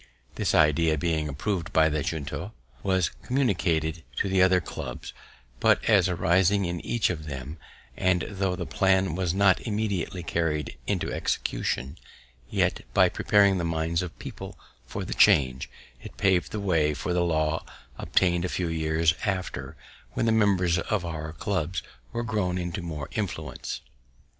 This idea, being approv'd by the Junto, was communicated to the other clubs, but as arising in each of them; and though the plan was not immediately carried into execution, yet, by preparing the minds of people for the change, it paved the way for the law obtained a few years after, when the members of our clubs were grown into more influence.